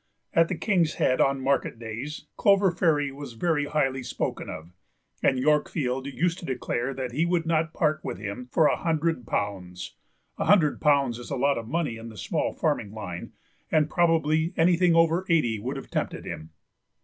At the King's Head on market days Clover Fairy was very highly spoken of, and Yorkfield used to declare that he would not part with him for a hundred pounds; a hundred pounds is a lot of money in the small farming line, and probably anything over eighty would have tempted him.